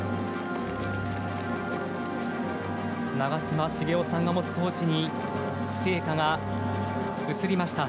長嶋茂雄さんが持つトーチに聖火が移りました。